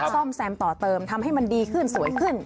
ซ่อมแซมต่อเติมทำให้มันดีขึ้นสวยขึ้น